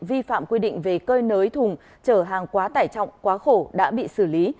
vi phạm quy định về cơi nới thùng trở hàng quá tải trọng quá khổ đã bị xử lý